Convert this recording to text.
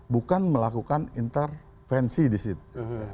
bukan melakukan intervensi di situ